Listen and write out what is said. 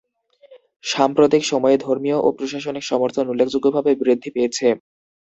সাম্প্রতিক সময়ে ধর্মীয় ও প্রশাসনিক সমর্থন উল্লেখযোগ্যভাবে বৃদ্ধি পেয়েছে।